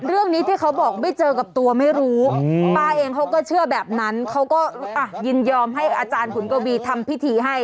เรื่องนี้ที่เขาบอกไม่เจอกับตัวไม่รู้ป้าเองเขาก็เชื่อแบบนั้นเขาก็ยินยอมให้อาจารย์ขุนกวีทำพิธีให้